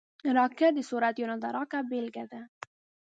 راکټ د سرعت یوه نادره بیلګه ده